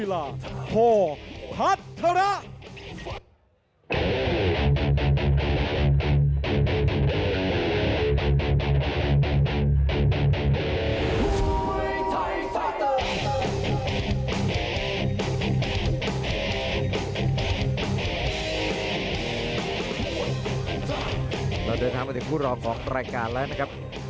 แล้วเดินถึงผู้รอของรายการแล้วกันครับ